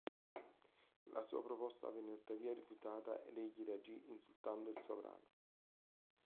La sua proposta venne tuttavia rifiutata ed egli reagì insultando il sovrano.